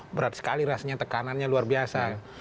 berat sekali rasanya tekanannya luar biasa